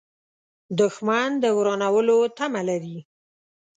دښمن د ورانولو تمه لري